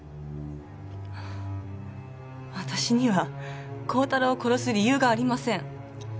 私には光太郎を殺す理由がありません。